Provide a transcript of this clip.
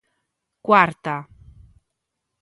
Cuarta.